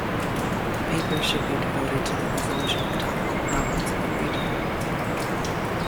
The papers should be devoted to the resolution of topical problems of the region.